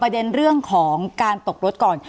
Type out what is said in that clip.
เด็นเรื่องของการตกรถก่อน